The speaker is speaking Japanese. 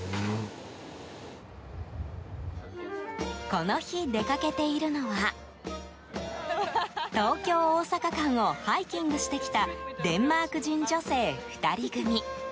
この日、出かけているのは東京大阪間をハイキングしてきたデンマーク人女性２人組。